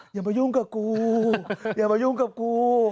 อย่ามายุ่งกับกูอย่ามายุ่งกับกู